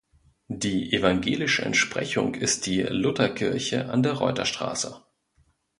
Die evangelische Entsprechung ist die "Luther-Kirche" an der Reuterstraße.